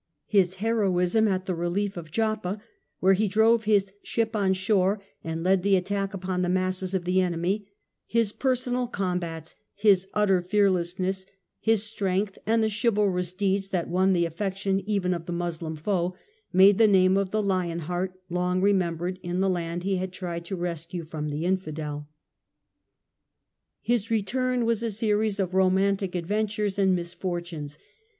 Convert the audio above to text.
His heroism at the relief of Joppa, where he drove his ship on shore and led the attack upon the masses of the enemy, his personal combats, his utter fear lessness, his strength, and the chivalrous deeds that won the affection even of the Muslim foe, made the name of the Lion Heart long remembered in the land he had tried to rescue from the infidel. CAPTURE OF RICHARD. 45 His return was a series of romantic adventures and misfortunes.